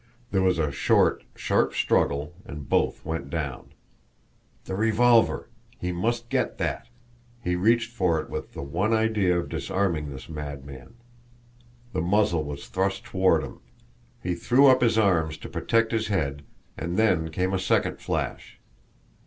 There was a short, sharp struggle, and both went down. The revolver! He must get that! He reached for it with the one idea of disarming this madman. The muzzle was thrust toward him, he threw up his arm to protect his head, and then came a second flash.